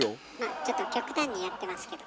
ちょっと極端にやってますけど。